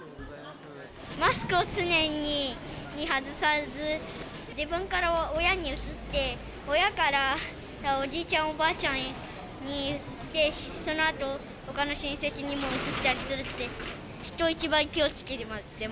マスクを常に外さず、自分から親にうつって、親からおじいちゃん、おばあちゃんにうつって、そのあとほかの親戚にもうつったりするって。